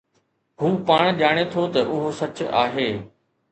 هو پاڻ ڄاڻي ٿو ته اهو سچ آهي